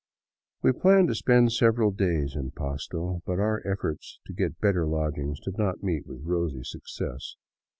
We planned to spend several days in Pasto, but our efforts to get better lodgings did not meet with rosy success.